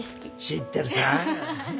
知ってるさー。